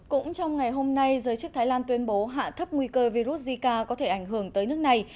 cũng trong ngày hôm nay giới chức thái lan tuyên bố hạ thấp nguy cơ virus zika có thể ảnh hưởng tới nước này